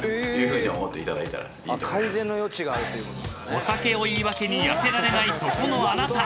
［お酒を言い訳に痩せられないそこのあなた］